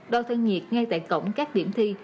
đo thân nhiệt ngay tại cổng các điểm thi